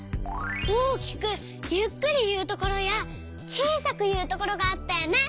大きくゆっくりいうところやちいさくいうところがあったよね。